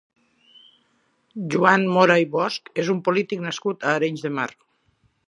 Joan Mora i Bosch és un polític nascut a Arenys de Mar.